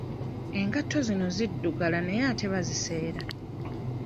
Engatto zino ziddugala naye ate baziseera.